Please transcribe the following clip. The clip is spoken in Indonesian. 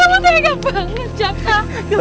kamu tega banget jatah